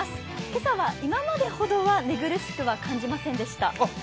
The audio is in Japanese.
今朝は今までほどは寝苦しくは感じませんでした。